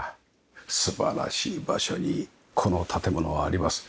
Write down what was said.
素晴らしい場所にこの建物はあります。